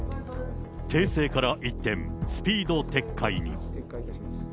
訂正から一転、スピード撤回に。